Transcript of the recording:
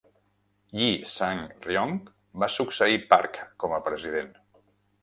Yi Sang-ryong va succeir Park com a president.